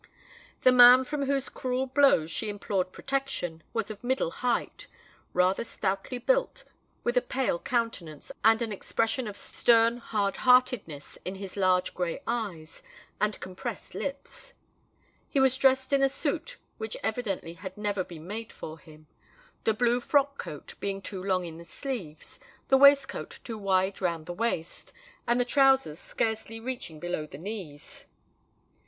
The man from whose cruel blows she implored protection, was of middle height, rather stoutly built, with a pale countenance, and an expression of stern hard heartedness in his large grey eyes and compressed lips. He was dressed in a suit which evidently had never been made for him,—the blue frock coat being too long in the sleeves, the waistcoat too wide round the waist, and the trousers scarcely reaching below the knees.